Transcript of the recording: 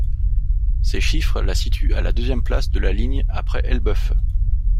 Ces chiffres la situent à la deuxième place de la ligne après Elbeuf.